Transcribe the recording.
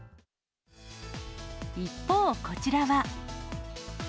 一方、こちらは。